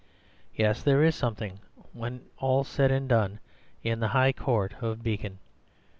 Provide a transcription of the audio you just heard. Yes, there is something, when all's said and done, in the High Court of Beacon.